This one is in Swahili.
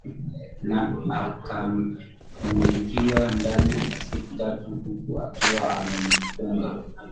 na akamfungia ndani kwa siku tatu huku akiwa amemfunga